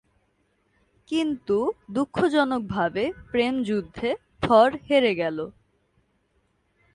কিন্তু দুঃখজনকভাবে, প্রেমযুদ্ধে, থর হেরে গেল।